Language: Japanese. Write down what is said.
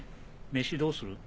飯どうする？